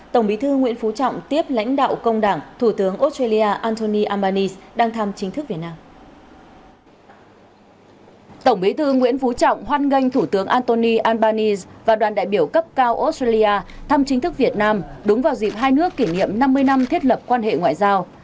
tổng bí thư nguyễn phú trọng hoan nghênh thủ tướng antoni albanese và đoàn đại biểu cấp cao australia thăm chính thức việt nam đúng vào dịp hai nước kỷ niệm năm mươi năm thiết lập quan hệ ngoại giao